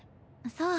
そう。